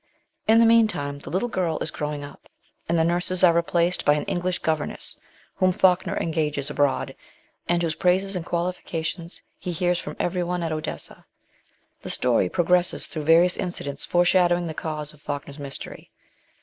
In the meantime the little girl is growing up, and the nurses are re placed by an English governess, whom Falkner engages abroad, and whose praises and qualifications he hears from everyone at Odessa. The story progresses through various incidents foreshadowing the cause of Falkner's mystery.